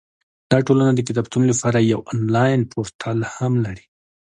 دا ټولنه د کتابتون لپاره یو انلاین پورتل هم لري.